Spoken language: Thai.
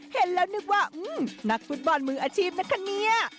เห็นแล้วนึกว่านักฟุตบอลมืออาชีพนะคะเนี่ย